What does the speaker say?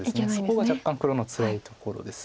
そこが若干黒のつらいところです。